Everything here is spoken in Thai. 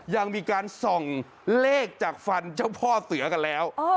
ยังมีการส่องเลขจากฟันเจ้าพ่อเสือกันแล้ว